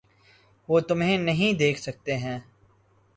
وہ تمہیں نہیں دیکھ سکتے ہیں۔